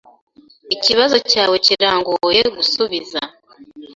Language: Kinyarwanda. Ikibazo cyawe kirangoye gusubiza.